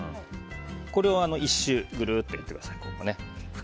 これを１周ぐるっとやってください。